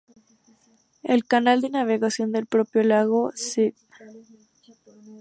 El canal de navegación del propio lago St.